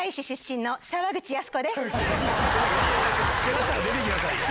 だったら出ていきなさい！